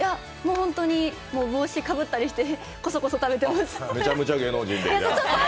本当に帽子かぶったりしてコソコソ食べています。